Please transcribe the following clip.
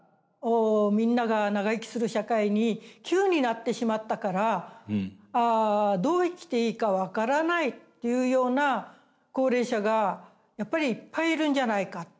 みんなが長生きする社会に急になってしまったからどう生きていいか分からないというような高齢者がやっぱりいっぱいいるんじゃないか。